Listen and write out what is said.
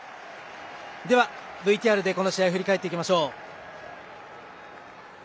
ＶＴＲでこの試合を振り返っていきましょう。